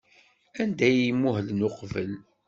Anda ay muhlen uqbel?